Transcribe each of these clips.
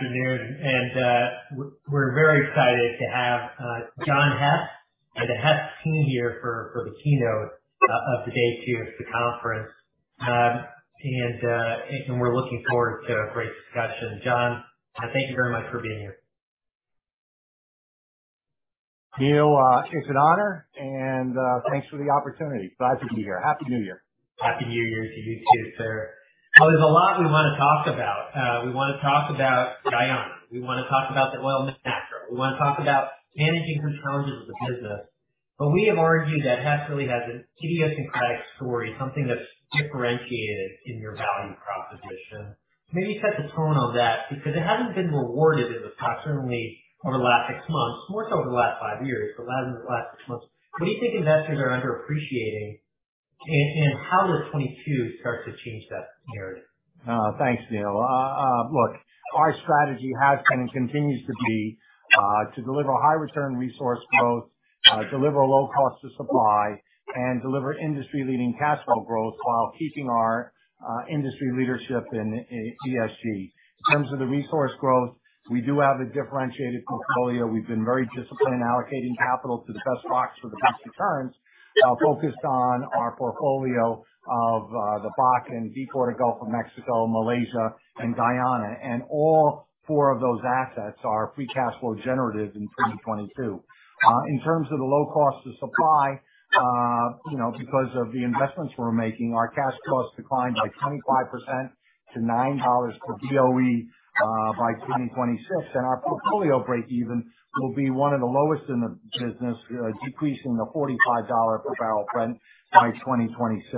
Good afternoon. We're very excited to have John Hess and the Hess team here for the keynote of the day 2 of the conference. We're looking forward to a great discussion. John, thank you very much for being here. Neil, it's an honor and thanks for the opportunity. Glad to be here. Happy New Year. Happy New Year to you too, sir. Now, there's a lot we wanna talk about. We wanna talk about Guyana, we wanna talk about the oil macro, we wanna talk about managing the challenges of the business. We have argued that Hess really has an idiosyncratic story, something that's differentiated in your value proposition. Maybe set the tone on that because it hasn't been rewarded in the past, certainly over the last six months, more so over the last five years, but the last six months. What do you think investors are underappreciating and how does 2022 start to change that narrative? Thanks, Neil. Look, our strategy has been and continues to be to deliver high return resource growth, deliver low cost of supply, and deliver industry-leading cash flow growth while keeping our industry leadership in ESG. In terms of the resource growth, we do have a differentiated portfolio. We've been very disciplined allocating capital to the best rocks for the best returns, focused on our portfolio of the Bakken, Deepwater Gulf of Mexico, Malaysia, and Guyana. All four of those assets are free cash flow generative in 2022. In terms of the low cost of supply, you know, because of the investments we're making, our cash costs decline by 25% to $9 per BOE by 2026, and our portfolio break even will be one of the lowest in the business, decreasing to $45 per barrel Brent by 2026.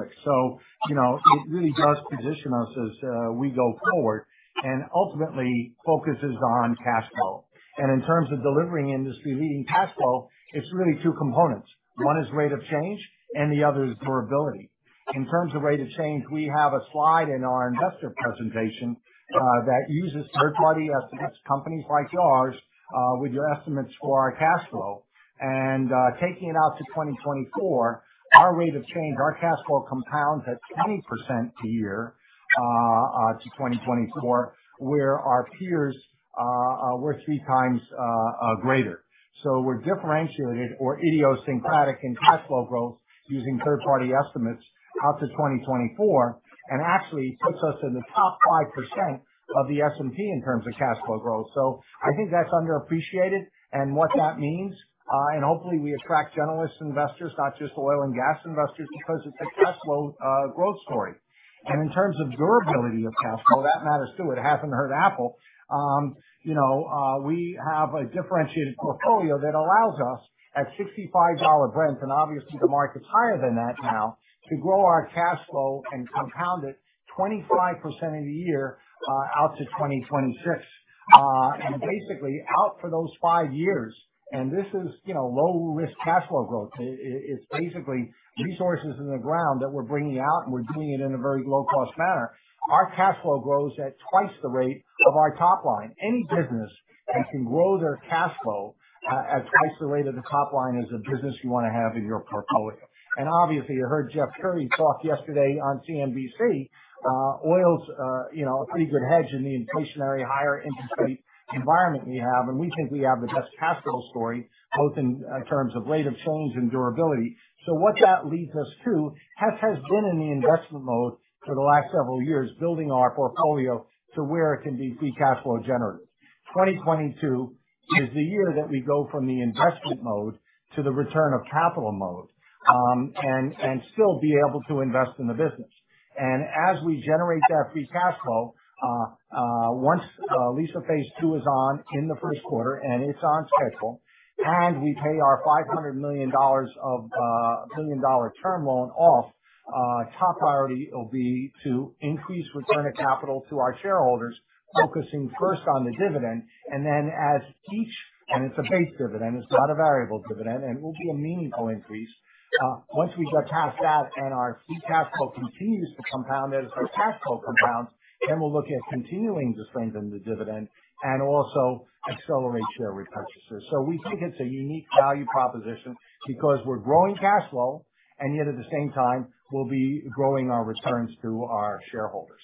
You know, it really does position us as we go forward and ultimately focuses on cash flow. In terms of delivering industry-leading cash flow, it's really two components. One is rate of change and the other is durability. In terms of rate of change, we have a slide in our investor presentation that uses third-party estimates, companies like yours, with your estimates for our cash flow. Taking it out to 2024, our rate of change, our cash flow compounds at 20% a year to 2024, where our peers, we're 3x greater. We're differentiated or idiosyncratic in cash flow growth using third party estimates out to 2024, and actually puts us in the top 5% of the S&P in terms of cash flow growth. I think that's underappreciated and what that means, and hopefully we attract generalist investors, not just oil and gas investors, because it's a cash flow growth story. In terms of durability of cash flow, that matters too. It hasn't hurt Apple. You know, we have a differentiated portfolio that allows us, at $65 Brent, and obviously the market's higher than that now, to grow our cash flow and compound it 25% a year out to 2026. Basically out for those five years, and this is, you know, low risk cash flow growth. It's basically resources in the ground that we're bringing out and we're doing it in a very low cost manner. Our cash flow grows at twice the rate of our top line. Any business that can grow their cash flow at twice the rate of the top line is a business you wanna have in your portfolio. Obviously, you heard Jeff Currie talk yesterday on CNBC. Oil's you know, a pretty good hedge in the inflationary higher interest rate environment we have. We think we have the best cash flow story, both in terms of rate of change and durability. What that leads us to, Hess has been in the investment mode for the last several years, building our portfolio to where it can be free cash flow generative. 2022 is the year that we go from the investment mode to the return of capital mode, and still be able to invest in the business. As we generate that free cash flow, once Liza phase 2 is on in the first quarter, and it's on schedule, and we pay our $500 million term loan off, top priority will be to increase return of capital to our shareholders, focusing first on the dividend and then as each... It's a base dividend, it's not a variable dividend, and it will be a meaningful increase. Once we get past that and our free cash flow continues to compound as our cash flow compounds, then we'll look at continuing to strengthen the dividend and also accelerate share repurchases. We think it's a unique value proposition because we're growing cash flow and yet at the same time we'll be growing our returns to our shareholders.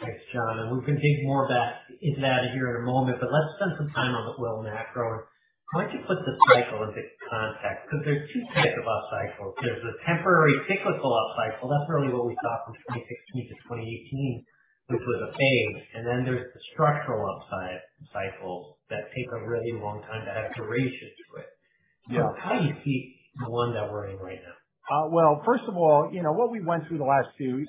Thanks, John, and we're gonna dig more of that into that here in a moment. Let's spend some time on the oil macro. Why don't you put the cycle into context? Because there are two types of upcycles. There's the temporary cyclical upcycle. That's really what we saw from 2016-2018, which was a fade. Then there's the structural upcycle that take a really long time to have duration to it. Yeah. How do you see the one that we're in right now? Well, first of all, you know what we went through the last two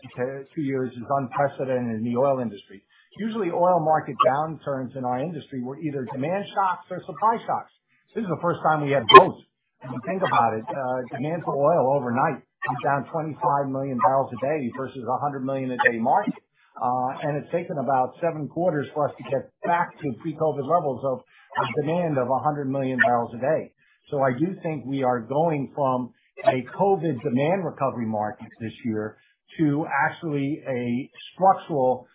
years is unprecedented in the oil industry. Usually oil market downturns in our industry were either demand shocks or supply shocks. This is the first time we had both. If you think about it, demand for oil overnight was down 25 million bbl a day versus a 100 million a day market. It's taken about seven quarters for us to get back to pre-COVID levels of a demand of a 100 million bbl a day. I do think we are going from a COVID demand recovery market this year to a structural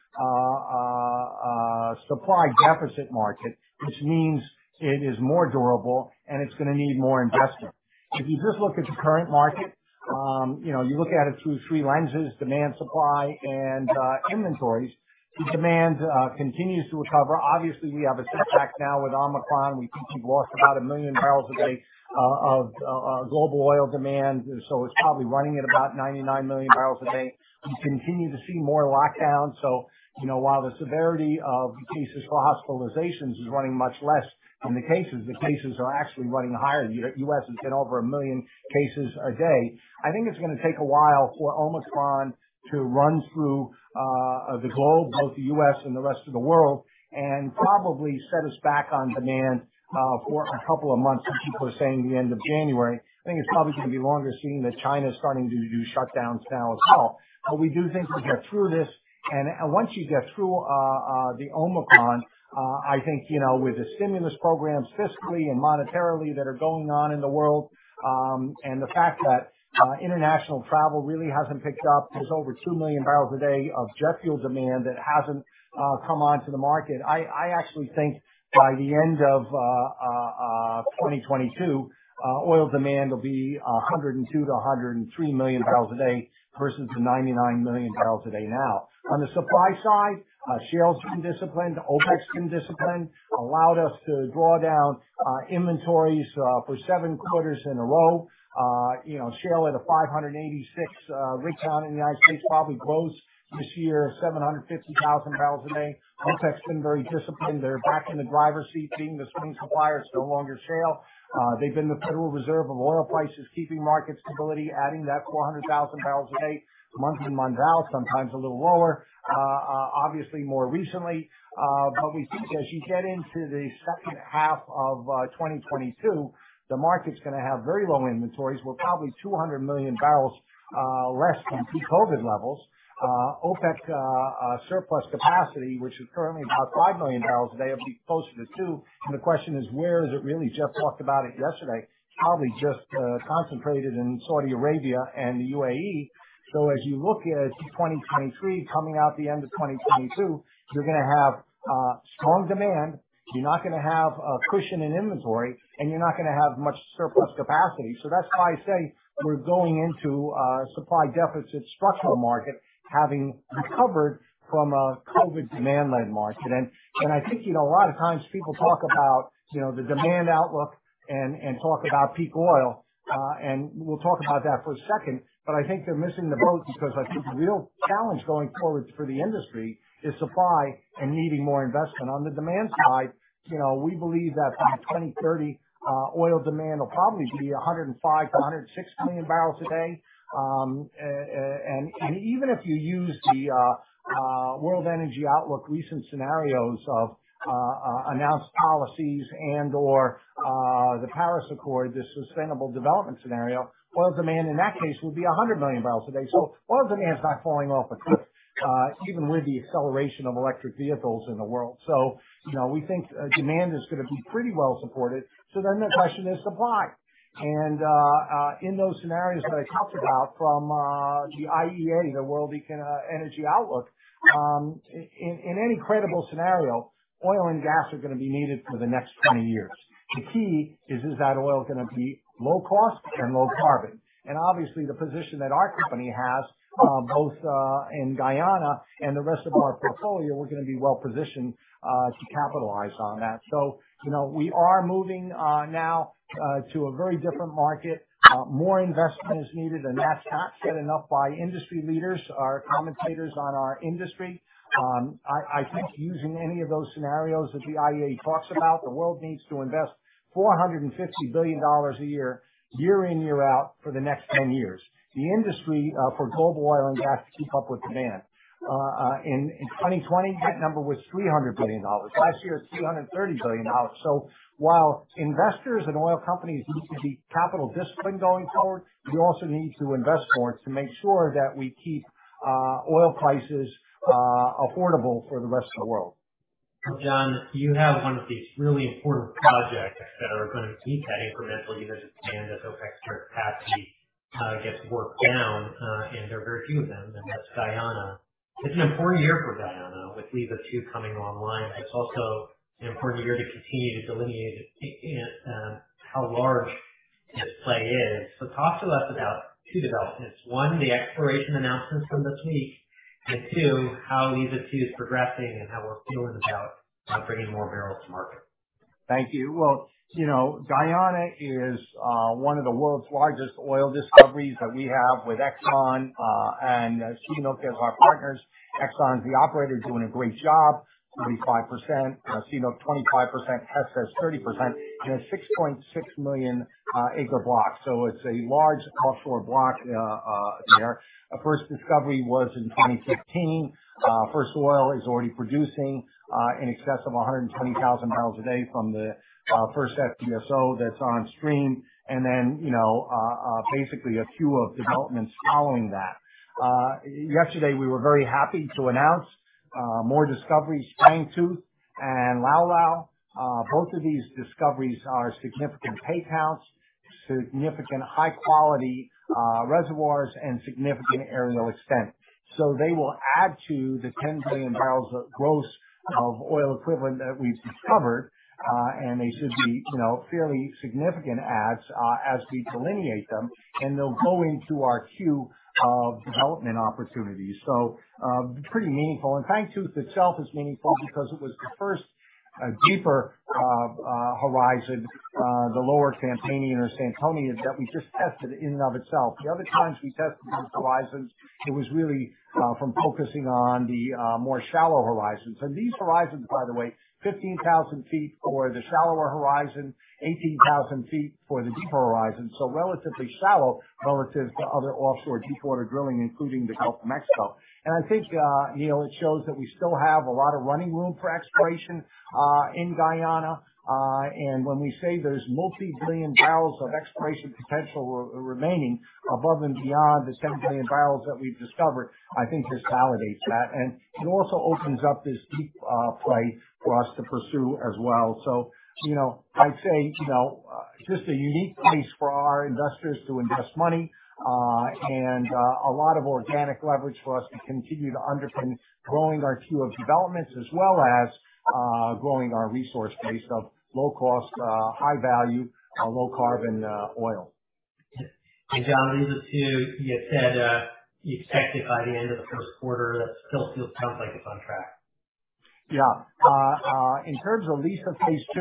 supply deficit market, which means it is more durable and it's gonna need more investment. If you just look at the current market, you know, you look at it through three lenses: demand, supply, and inventories. The demand continues to recover. Obviously, we have a setback now with Omicron. We think we've lost about 1 million bbl a day of global oil demand. It's probably running at about 99 million barrels a day. We continue to see more lockdowns. You know, while the severity of cases for hospitalizations is running much less than the cases, the cases are actually running higher. The U.S. has hit over 1 million cases a day. I think it's gonna take a while for Omicron to run through the globe, both the U.S. and the rest of the world, and probably set us back on demand for a couple of months. Some people are saying the end of January. I think it's probably gonna be longer, seeing that China is starting to do shutdowns now as well. We do think we get through this. Once you get through the Omicron, I think, you know, with the stimulus programs fiscally and monetarily that are going on in the world, and the fact that international travel really hasn't picked up. There's over 2 million bbl a day of jet fuel demand that hasn't come onto the market. I actually think by the end of 2022, oil demand will be 102-103 million bbl a day, versus 99 million bbl a day now. On the supply side, shale's been disciplined. OPEC's been disciplined. Allowed us to draw down inventories for seven quarters in a row. You know, shale at a 586 rig count in, probably close this year, 750,000 bbl a day. OPEC's been very disciplined. They're back in the driver's seat, being the swing supplier. It's no longer shale. They've been the Federal Reserve of oil prices, keeping market stability, adding that 400,000 bbl a day, month in, month out, sometimes a little lower. Obviously more recently, but we think as you get into the second half of 2022, the market's gonna have very low inventories. We're probably 200 million bbl less than pre-COVID levels. OPEC surplus capacity, which is currently about 5 million bbl a day, will be closer to two. The question is, where is it really? Jeff talked about it yesterday. Probably just concentrated in Saudi Arabia and the UAE. As you look at 2023 coming out the end of 2022, you're gonna have strong demand. You're not gonna have a cushion in inventory, and you're not gonna have much surplus capacity. That's why I say we're going into a supply deficit structural market, having recovered from a COVID demand-led market. I think, you know, a lot of times people talk about, you know, the demand outlook and talk about peak oil. We'll talk about that for a second. I think they're missing the boat because I think the real challenge going forward for the industry is supply and needing more investment. On the demand side, you know, we believe that by 2030, oil demand will probably be 105-106 million bbl a day. Even if you use the World Energy Outlook recent scenarios of announced policies and/or the Paris Agreement, the sustainable development scenario, oil demand in that case will be 100 million bbl a day. Oil demand is not falling off a cliff, even with the acceleration of electric vehicles in the world. You know, we think demand is gonna be pretty well supported. Then the question is supply. In those scenarios that I talked about from the IEA, the World Energy Outlook, in any credible scenario, oil and gas are gonna be needed for the next 20 years. The key is that oil gonna be low cost and low carbon? Obviously the position that our company has, both in Guyana and the rest of our portfolio, we're gonna be well positioned to capitalize on that. You know, we are moving now to a very different market. More investment is needed, and that's not disputed by industry leaders or commentators on our industry. I think using any of those scenarios that the IEA talks about, the world needs to invest $450 billion a year in, year out, for the next 10 years. The industry for global oil and gas to keep up with demand. In 2020, that number was $300 billion. Last year it was $330 billion. While investors and oil companies need to be capital disciplined going forward, we also need to invest more to make sure that we keep oil prices affordable for the rest of the world. John, you have one of these really important projects that are gonna meet that incremental need as demand at OPEC's capacity gets worked down, and there are very few of them, and that's Guyana. It's an important year for Guyana with Liza Phase Two coming online. It's also an important year to continue to delineate how large this play is. Talk to us about two developments. One, the exploration announcements from this week, and two, how Liza Phase Two is progressing and how we're feeling about bringing more barrels to market. Thank you. Well, you know, Guyana is one of the world's largest oil discoveries that we have with Exxon and CNOOC as our partners. Exxon is the operator, doing a great job, 35%. CNOOC, 25%. Hess has 30%. In a 6.6 million acre block. It's a large offshore block there. Our first discovery was in 2015. First oil is already producing in excess of 120,000 bbl a day from the first FPSO that's on stream. You know, basically a queue of developments following that. Yesterday we were very happy to announce more discoveries, Fangtooth and Lau Lau. Both of these discoveries are significant pay zones. Significant high quality reservoirs and significant aerial extent. They will add to the 10 billion bbl of gross BOE that we've discovered. They should be, you know, fairly significant adds as we delineate them, and they'll go into our queue of development opportunities. Pretty meaningful. Fangtooth itself is meaningful because it was the first deeper horizon, the lower Santonian that we just tested in and of itself. The other times we tested these horizons, it was really from focusing on the more shallow horizons. These horizons, by the way, 15,000 ft for the shallower horizon, 18,000 feet for the deeper horizon. Relatively shallow relative to other offshore deepwater drilling, including the Gulf of Mexico. I think, you know, it shows that we still have a lot of running room for exploration in Guyana. When we say there's multi-billion barrels of exploration potential remaining above and beyond the 10 billion bbl that we've discovered, I think this validates that. It also opens up this deep play for us to pursue as well. You know, I'd say, you know, just a unique place for our investors to invest money, and a lot of organic leverage for us to continue to underpin growing our queue of developments as well as growing our resource base of low cost high value low carbon oil. John, these are two you had said, you expected by the end of the first quarter. That still feels, sounds like it's on track. Yeah. In terms of Liza phase 2,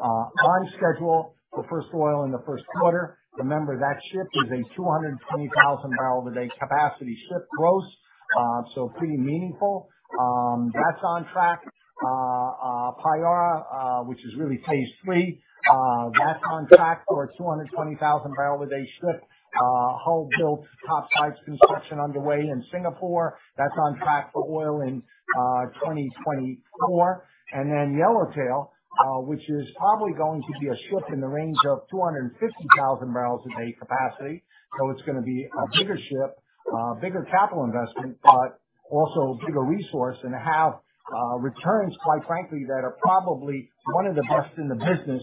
on schedule for first oil in the first quarter. Remember, that ship is a 220,000 bbl capacity ship, close. So pretty meaningful. That's on track. Payara, which is really Phase 3, that's on track for a 220,000 bbl a day ship. Hull build topsides construction underway in Singapore. That's on track for oil in 2024. Then Yellowtail, which is probably going to be a ship in the range of 250,000 bbl a day capacity. So it's gonna be a bigger ship, bigger capital investment, but also bigger resource and have returns, quite frankly, that are probably one of the best in the business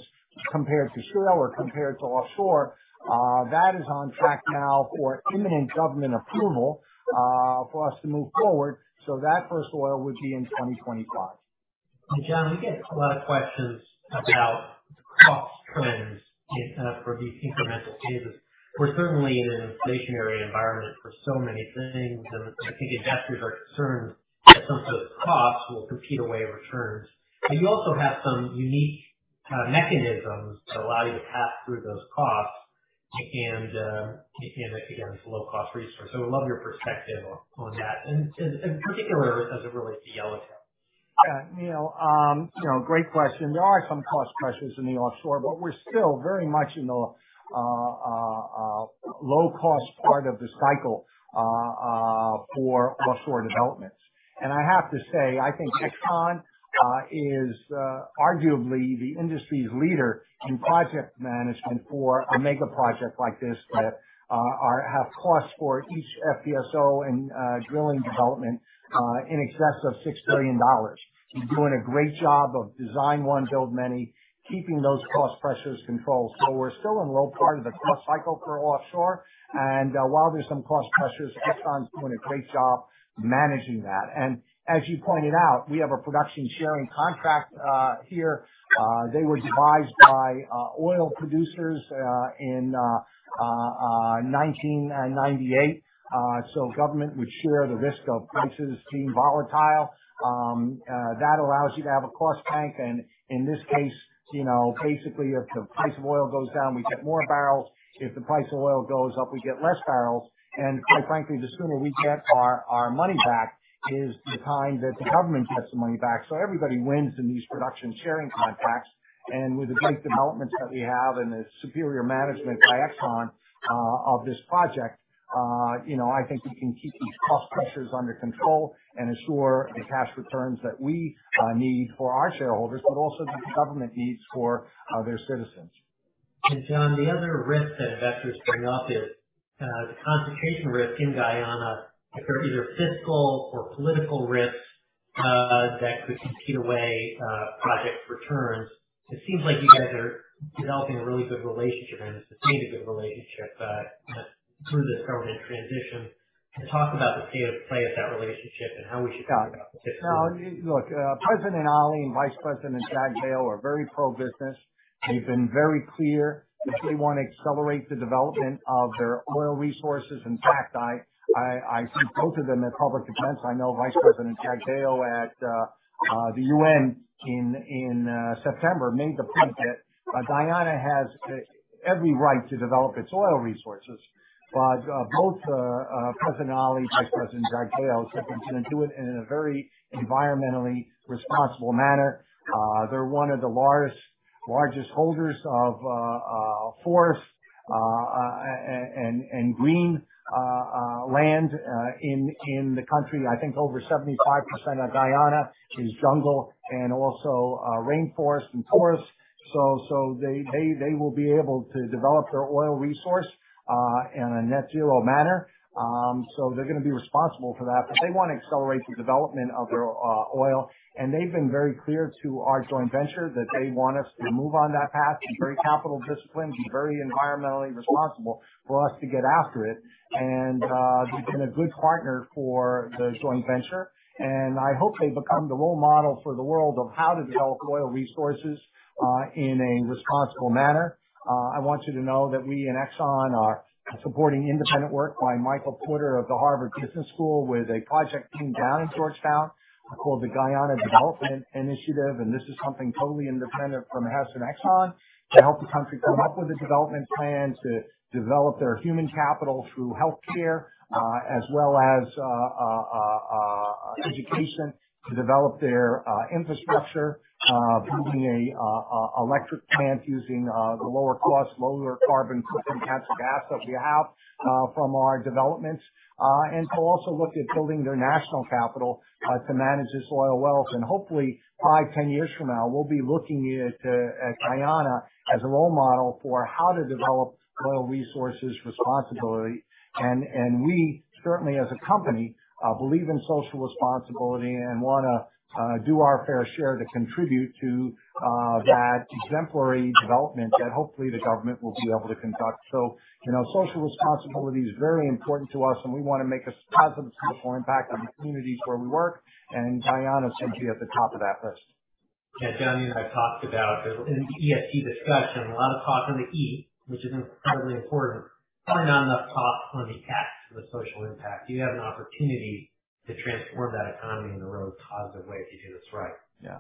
compared to onshore or compared to offshore. That is on track now for imminent government approval, for us to move forward. That first oil would be in 2025. John, we get a lot of questions about cost trends, you know, for these incremental phases. We're certainly in an inflationary environment for so many things, and I think investors are concerned that some of those costs will compete away returns. But you also have some unique mechanisms that allow you to pass through those costs and, again, this low cost resource. I would love your perspective on that, and particularly as it relates to Yellowtail. Yeah. Neil, great question. There are some cost pressures in the offshore, but we're still very much in the low cost part of the cycle for offshore developments. I have to say, I think Exxon is arguably the industry's leader in project management for a mega project like this that have costs for each FPSO and drilling development in excess of $6 billion, doing a great job of design one, build many, keeping those cost pressures controlled. We're still in low part of the cost cycle for offshore. While there's some cost pressures, Exxon's doing a great job managing that. As you pointed out, we have a production sharing contract here. They were devised by oil producers in 1998. Government would share the risk of prices being volatile. That allows you to have a cost oil. In this case, you know, basically, if the price of oil goes down, we get more barrels. If the price of oil goes up, we get less barrels. Quite frankly, the sooner we get our money back is the time that the government gets the money back. Everybody wins in these production sharing contracts. With the great developments that we have and the superior management by Exxon of this project, you know, I think we can keep these cost pressures under control and ensure the cash returns that we need for our shareholders, but also the government needs for their citizens. John, the other risk that investors bring up is the concentration risk in Guyana. If there are either fiscal or political risks that could eat away at project returns. It seems like you guys are developing a really good relationship, and it's sustained a good relationship, you know, through this government transition. Can you talk about the state of play of that relationship and how we should think about the risks? No, look, President Ali and Vice President Jagdeo are very pro-business. They've been very clear that they want to accelerate the development of their oil resources. In fact, I see both of them at public events. I know Vice President Jagdeo at the UN in September made the point that Guyana has every right to develop its oil resources. Both President Ali, Vice President Jagdeo said they're gonna do it in a very environmentally responsible manner. They're one of the largest holders of forest and green land in the country. I think over 75% of Guyana is jungle and also rainforest and forest. They will be able to develop their oil resource in a net zero manner. They're gonna be responsible for that. They wanna accelerate the development of their oil. They've been very clear to our joint venture that they want us to move on that path, be very capital disciplined, be very environmentally responsible for us to get after it. They've been a good partner for the joint venture. I hope they become the role model for the world of how to develop oil resources in a responsible manner. I want you to know that we and Exxon are supporting independent work by Michael Porter of the Harvard Business School, with a project team down in Georgetown called the Guyana Development Initiative. This is something totally independent from Hess and Exxon to help the country come up with a development plan to develop their human capital through healthcare, as well as education to develop their infrastructure, building a electric plant using the lower cost, lower carbon cooking natural gas that we have from our developments, and to also look at building their national capital to manage this oil wealth. Hopefully 5, 10 years from now, we'll be looking at Guyana as a role model for how to develop oil resources responsibly. We certainly as a company believe in social responsibility and wanna do our fair share to contribute to that exemplary development that hopefully the government will be able to conduct. you know, social responsibility is very important to us, and we wanna make a positive impact on the communities where we work. Guyana is going to be at the top of that list. Yeah. Johnny and I talked about in the ESG discussion, a lot of talk on the E, which is incredibly important, but not enough talk on the S, for the social impact. You have an opportunity to transform that economy in the world in a positive way if you do this right. Yeah.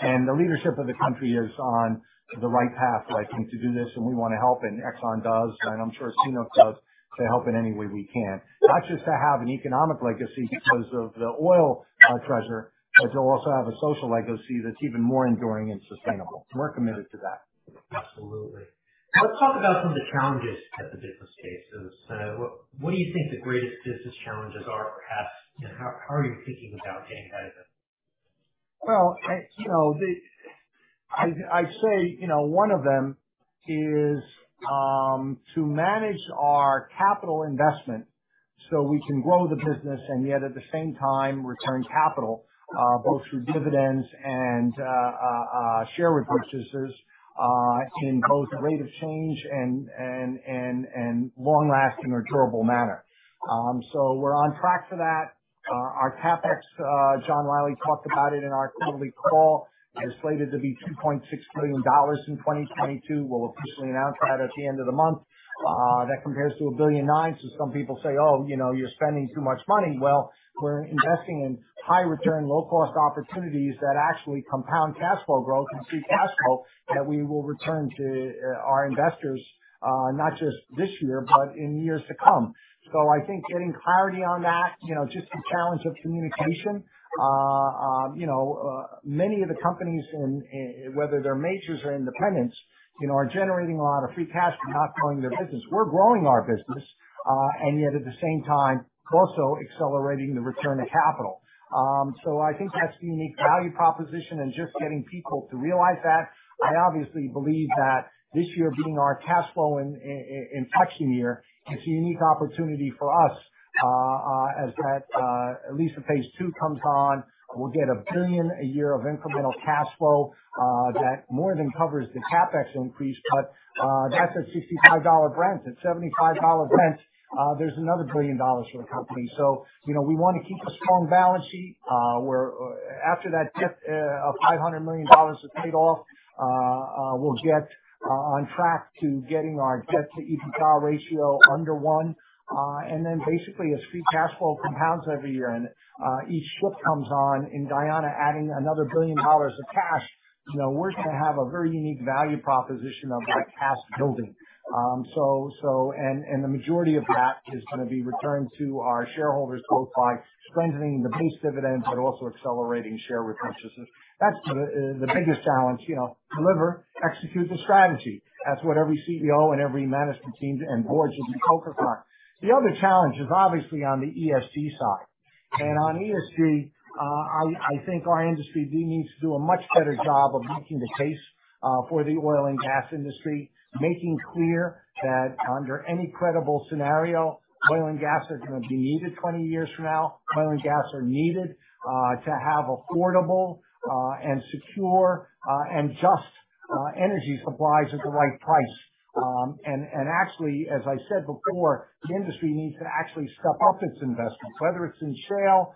The leadership of the country is on the right path, I think, to do this. We wanna help, and Exxon does, and I'm sure Sinopec does, to help in any way we can. Not just to have an economic legacy because of the oil treasure, but to also have a social legacy that's even more enduring and sustainable. We're committed to that. Absolutely. Let's talk about some of the challenges to the business cases. What do you think the greatest business challenges are perhaps, and how are you thinking about getting ahead of them? I'd say, you know, one of them is to manage our capital investment so we can grow the business and yet at the same time return capital both through dividends and share repurchases in both rate of change and long lasting or durable manner. We're on track for that. Our CapEx, John Rielly talked about it in our quarterly call, is slated to be $2.6 billion in 2022. We'll officially announce that at the end of the month. That compares to $1.9 billion. Some people say, Oh, you know, you're spending too much money. We're investing in high return, low cost opportunities that actually compound cash flow growth and free cash flow that we will return to our investors, not just this year, but in years to come. I think getting clarity on that, you know, just the challenge of communication. You know, many of the companies in, whether they're majors or independents, you know, are generating a lot of free cash and not growing their business. We're growing our business, and yet at the same time also accelerating the return of capital. I think that's a unique value proposition and just getting people to realize that. I obviously believe that this year being our cash flow inflection year, it's a unique opportunity for us, as that, at least the phase 2 comes on, we'll get $1 billion a year of incremental cash flow, that more than covers the CapEx increase. That's at $65 Brent. At $75 Brent, there's another $1 billion for the company. You know, we wanna keep a strong balance sheet. We're after that debt of $500 million is paid off, we'll get on track to getting our debt to EBITDA ratio under one. Then basically as free cash flow compounds every year and each ship comes on in Guyana adding another $1 billion of cash, you know, we're gonna have a very unique value proposition of that cash building. So, and the majority of that is gonna be returned to our shareholders, both by strengthening the base dividend but also accelerating share repurchases. That's the biggest challenge, you know, deliver, execute the strategy. That's what every CEO and every management team and board should be focused on. The other challenge is obviously on the ESG side. On ESG, I think our industry needs to do a much better job of making the case for the oil and gas industry, making clear that under any credible scenario, oil and gas are gonna be needed 20 years from now. Oil and gas are needed to have affordable and secure and just energy supplies at the right price. Actually, as I said before, the industry needs to actually step up its investments, whether it's in shale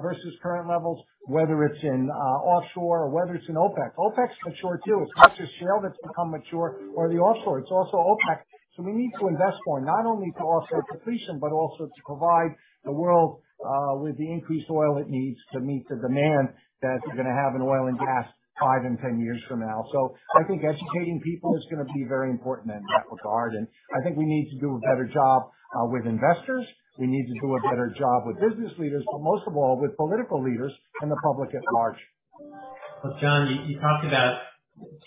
versus current levels, whether it's in offshore or whether it's in OPEC. OPEC's mature, too. It's not just shale that's become mature or the offshore; it's also OPEC. We need to invest more, not only for offshore completion, but also to provide the world with the increased oil it needs to meet the demand that you're gonna have in oil and gas 5 and 10 years from now. I think educating people is gonna be very important in that regard. I think we need to do a better job with investors. We need to do a better job with business leaders, but most of all with political leaders and the public at large. Well, John, you talked about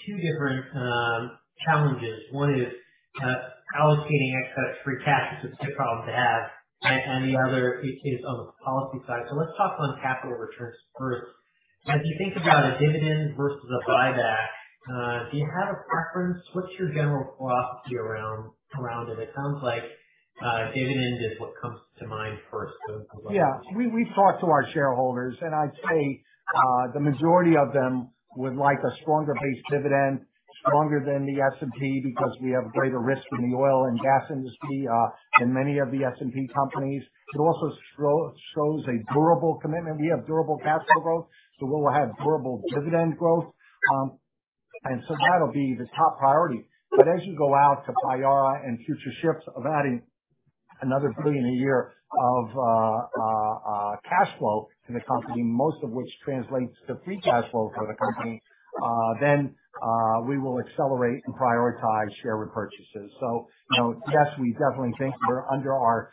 two different challenges. One is allocating excess free cash, which is a good problem to have. And the other is on the policy side. Let's talk on capital returns first. As you think about a dividend versus a buyback, do you have a preference? What's your general philosophy around it? It sounds like dividend is what comes to mind first. Yeah. We've talked to our shareholders, and I'd say the majority of them would like a stronger base dividend, stronger than the S&P because we have greater risk in the oil and gas industry than many of the S&P companies. It also shows a durable commitment. We have durable capital growth, so we will have durable dividend growth. That'll be the top priority. As you go out to Payara and future phases of adding another $1 billion a year of cash flow to the company, most of which translates to free cash flow for the company, then we will accelerate and prioritize share repurchases. You know, yes, we definitely think we're under our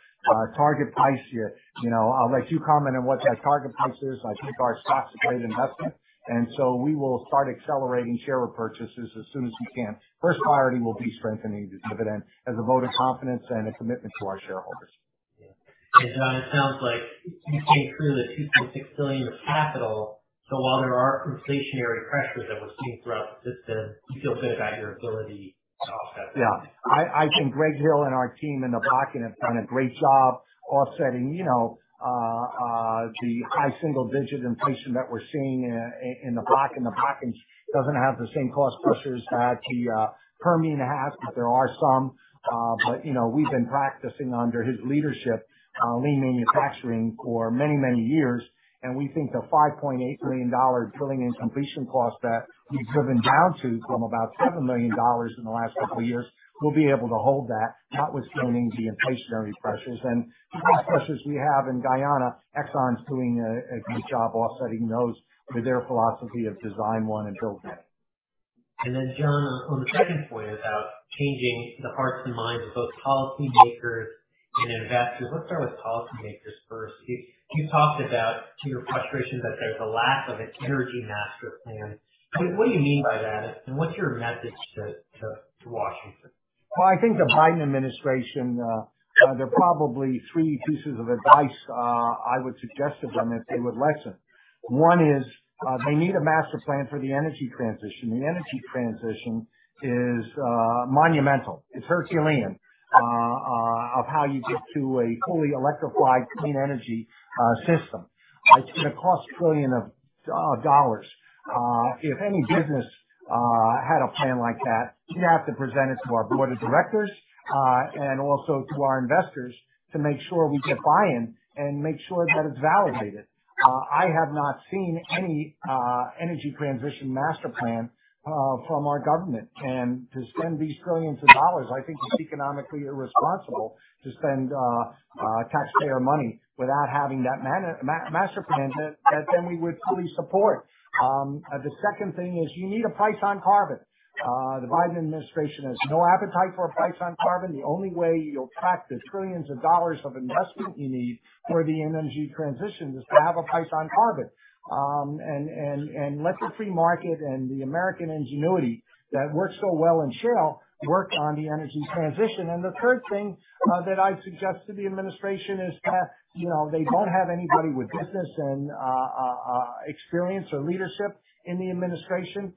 target price here. You know, I'll let you comment on what that target price is. I think our stock's a great investment, and so we will start accelerating share repurchases as soon as we can. First priority will be strengthening the dividend as a vote of confidence and a commitment to our shareholders. Yeah. John, it sounds like you've stayed true to the $2.6 billion of capital. While there are inflationary pressures that we're seeing throughout the system, you feel good about your ability to offset that. Yeah. I think Greg Hill and our team in the back-end have done a great job offsetting, you know, the high single-digit inflation that we're seeing in the back. The back-end doesn't have the same cost pressures that the Permian has, but there are some. But you know, we've been practicing under his leadership lean manufacturing for many years. We think the $5.8 billion drilling and completion cost that we've driven down to from about $7 billion in the last couple of years, we'll be able to hold that, notwithstanding the inflationary pressures. The cost pressures we have in Guyana, Exxon's doing a good job offsetting those with their philosophy of design one and build many. John, on the second point about changing the hearts and minds of both policymakers and investors, let's start with policymakers first. You talked about your frustration that there's a lack of an energy master plan. What do you mean by that, and what's your message to Washington? Well, I think the Biden administration, there are probably three pieces of advice I would suggest to them if they would listen. One is, they need a master plan for the energy transition. The energy transition is monumental. It's Herculean of how you get to a fully electrified clean energy system. It's gonna cost trillions of dollars. If any business had a plan like that, we'd have to present it to our board of directors and also to our investors to make sure we get buy-in and make sure that it's validated. I have not seen any energy transition master plan from our government. To spend these trillions of dollars, I think is economically irresponsible to spend taxpayer money without having that master plan that then we would fully support. The second thing is you need a price on carbon. The Biden administration has no appetite for a price on carbon. The only way you'll attract the trillions of dollars of investment you need for the energy transition is to have a price on carbon. Let the free market and the American ingenuity that works so well in Shell work on the energy transition. The third thing that I'd suggest to the administration is that, you know, they don't have anybody with business and experience or leadership in the administration.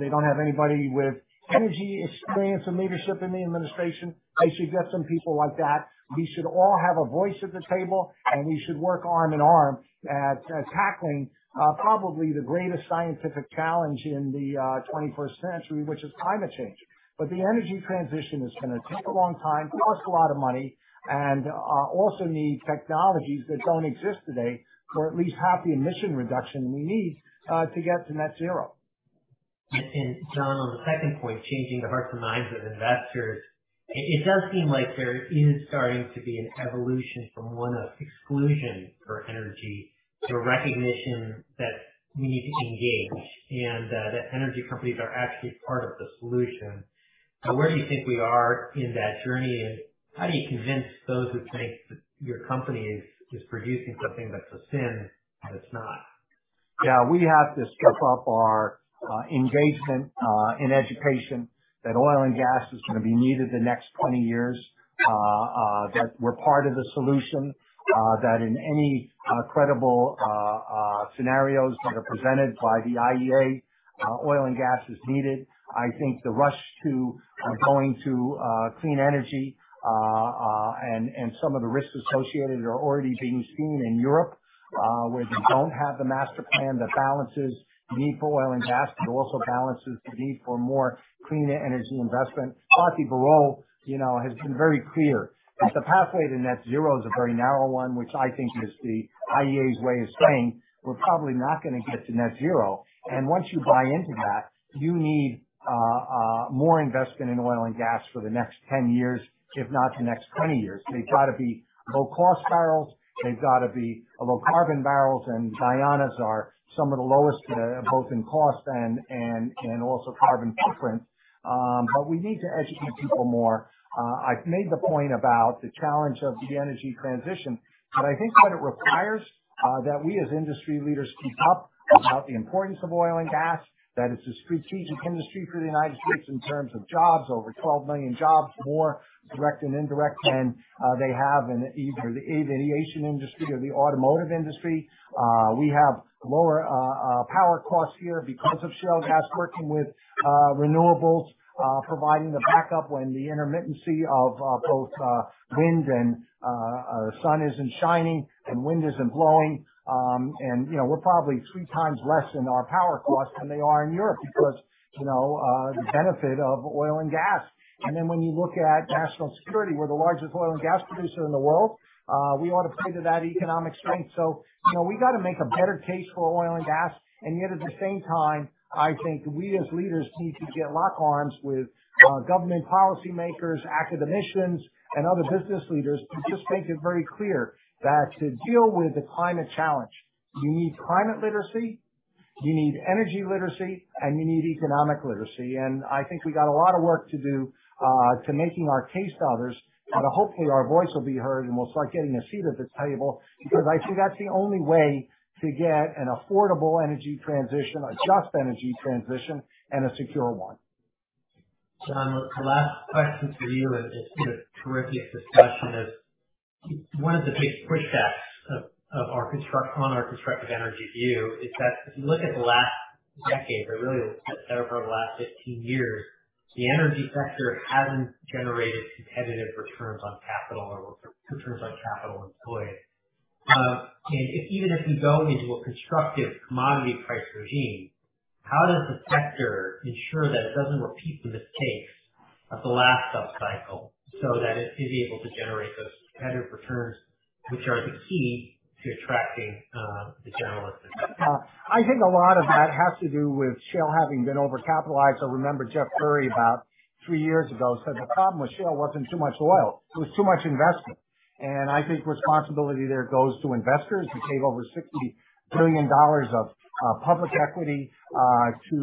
They don't have anybody with energy experience and leadership in the administration. They should get some people like that. We should all have a voice at the table, and we should work arm in arm at tackling probably the greatest scientific challenge in the 21st century, which is climate change. The energy transition is gonna take a long time, cost a lot of money, and also need technologies that don't exist today for at least half the emission reduction we need to get to net zero. John, on the second point, changing the hearts and minds of investors. It does seem like there is starting to be an evolution from one of exclusion for energy to recognition that we need to engage and that energy companies are actually part of the solution. Where do you think we are in that journey, and how do you convince those who think that your company is producing something that's a sin, that it's not? Yeah. We have to step up our engagement in education that oil and gas is gonna be needed the next 20 years. That we're part of the solution, that in any credible scenarios that are presented by the IEA, oil and gas is needed. I think the rush to going to clean energy and some of the risks associated are already being seen in Europe, where they don't have the master plan that balances the need for oil and gas, but also balances the need for more clean energy investment. Fatih Birol, you know, has been very clear that the pathway to net zero is a very narrow one, which I think is the IEA's way of saying we're probably not gonna get to net zero. Once you buy into that, you need more investment in oil and gas for the next 10 years, if not the next 20 years. They've gotta be low cost barrels. They've gotta be low carbon barrels. Guyana's are some of the lowest, both in cost and also carbon footprint. But we need to educate people more. I've made the point about the challenge of the energy transition, but I think what it requires, that we as industry leaders speak up about the importance of oil and gas, that it's a strategic industry for the United States in terms of jobs. Over 12 million jobs, more direct than indirect, than they have in either the aviation industry or the automotive industry. We have lower power costs here because of shale gas working with renewables, providing the backup when the intermittency of both wind and sun isn't shining and wind isn't blowing. You know, we're probably three times less in our power costs than they are in Europe because you know the benefit of oil and gas. When you look at national security, we're the largest oil and gas producer in the world. We ought to play to that economic strength. You know, we gotta make a better case for oil and gas. At the same time, I think we as leaders need to get lock arms with, government policymakers, academicians, and other business leaders to just make it very clear that to deal with the climate challenge, you need climate literacy, you need energy literacy, and you need economic literacy. I think we got a lot of work to do, to making our case to others. Hopefully our voice will be heard, and we'll start getting a seat at the table, because I think that's the only way to get an affordable energy transition, a just energy transition, and a secure one. John, the last question for you is just given the terrific discussion of one of the big pushbacks on our constructive energy view is that if you look at the last decade, or really sort of over the last 15 years, the energy sector hasn't generated competitive returns on capital or returns on capital employed. If we go into a constructive commodity price regime, how does the sector ensure that it doesn't repeat the mistakes of the last upcycle so that it is able to generate those competitive returns, which are the key to attracting the generalist investors? I think a lot of that has to do with shale having been overcapitalized. Remember Jeff Currie about three years ago said the problem with shale wasn't too much oil, it was too much investment. I think responsibility there goes to investors who gave over $60 billion of public equity to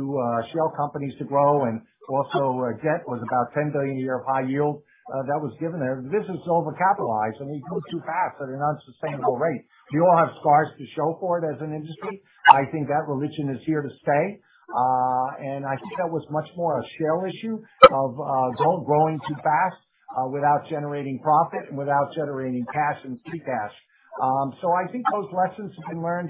shale companies to grow. Also, debt was about $10 billion a year of high yield that was given there. This is overcapitalized, and we grew too fast at an unsustainable rate. We all have scars to show for it as an industry. I think that religion is here to stay. I think that was much more a shale issue of growing too fast without generating profit and without generating cash and free cash. I think those lessons have been learned.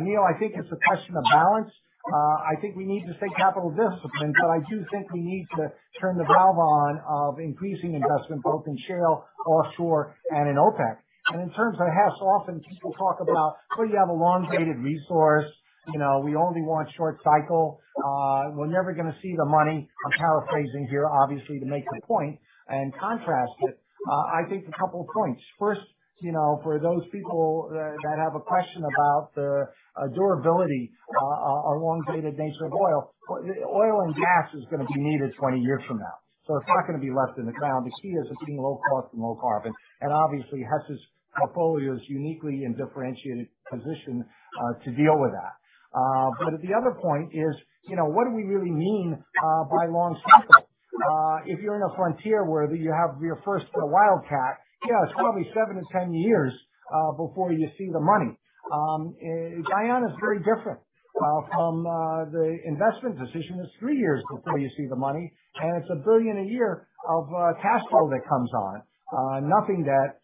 Neil, I think it's a question of balance. I think we need to stay capital discipline, but I do think we need to turn the valve on of increasing investment both in shale, offshore and in OPEC. In terms of Hess, often people talk about, well, you have a long-dated resource, you know, we only want short cycle. We're never gonna see the money. I'm paraphrasing here, obviously, to make the point and contrast it. I think a couple of points. First, you know, for those people that have a question about the durability, or long-dated nature of oil and gas is gonna be needed 20 years from now, so it's not gonna be left in the ground. The key is it being low cost and low carbon. Obviously Hess's portfolio is uniquely in differentiated position to deal with that. The other point is, you know, what do we really mean by long cycle? If you're in a frontier where you have your first wildcat, yeah, it's probably 7-10 years before you see the money. Guyana is very different from the investment decision. It's 3 years before you see the money, and it's $1 billion a year of cash flow that comes on. Nothing that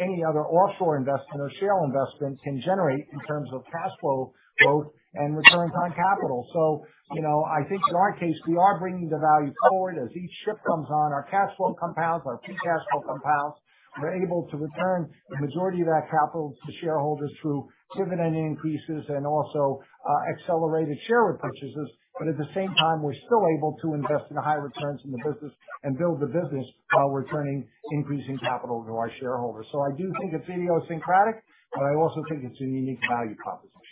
any other offshore investment or shale investment can generate in terms of cash flow growth and returns on capital. You know, I think in our case, we are bringing the value forward. As each ship comes on, our cash flow compounds, our free cash flow compounds. We're able to return the majority of that capital to shareholders through dividend increases and also accelerated share repurchases. at the same time, we're still able to invest in the high returns in the business and build the business while returning increasing capital to our shareholders. I do think it's idiosyncratic, but I also think it's a unique value proposition.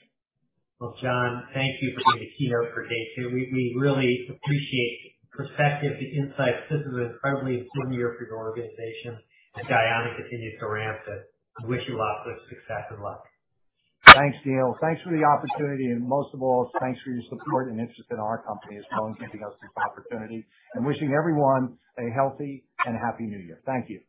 Well, John, thank you for being the keynote for day two. We really appreciate the perspective, the insights. This is an incredibly important year for your organization, and Guyana continues to ramp it. I wish you lots of success. Good luck. Thanks, Neil. Thanks for the opportunity. Most of all, thanks for your support and interest in our company as well, and giving us this opportunity and wishing everyone a healthy and happy new year. Thank you.